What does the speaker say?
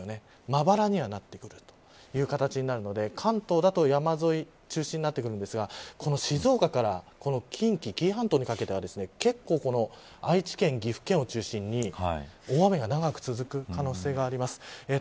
まばらにはなってくるという形になるので関東だと山沿い中心になってきますが静岡から近畿、紀伊半島にかけては結構、愛知県、岐阜県を中心に大雨が長く続く可能性があります。